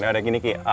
ya udah gini ki